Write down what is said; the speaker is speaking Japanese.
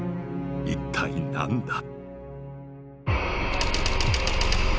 一体何だ？